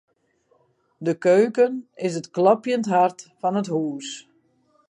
De keuken is it klopjend hart fan it hús.